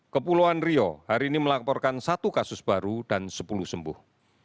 kepulauan rio hari ini melaporkan satu kasus baru dan sepuluh sembuh